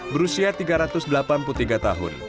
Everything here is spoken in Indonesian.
berusia tiga ratus delapan puluh tiga tahun